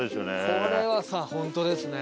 これはさ本当ですね。